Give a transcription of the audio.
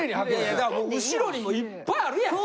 いやだからもう後ろにもいっぱいあるやん。